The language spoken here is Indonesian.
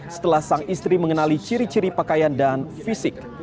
setelah sang istri mengenali ciri ciri pakaian dan fisik